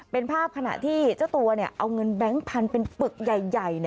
เป็นภาพขณะที่เจ้าตัวเนี่ยเอาเงินแบงค์พันเป็นปึกใหญ่เนี่ย